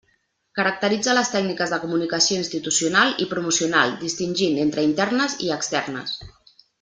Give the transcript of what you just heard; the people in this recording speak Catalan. Caracteritza les tècniques de comunicació institucional i promocional, distingint entre internes i externes.